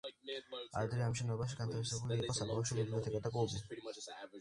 ადრე ამ შენობაში განთავსებული იყო საბავშვო ბიბლიოთეკა და კლუბი.